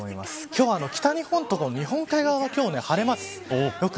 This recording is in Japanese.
今日は北日本と日本海側今日は晴れます。